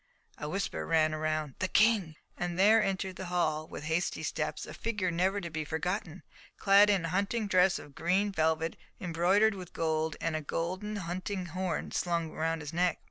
a whisper ran round, "the King," and there entered the hall with hasty steps, a figure never to be forgotten, clad in a hunting dress of green velvet embroidered with gold, with a golden hunting horn slung round his neck.